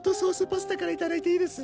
パスタから頂いていいです？